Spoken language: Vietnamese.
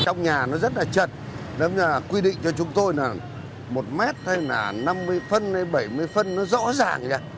trong nhà nó rất là chật nó quy định cho chúng tôi là một m hay là năm mươi phân hay bảy mươi phân nó rõ ràng ra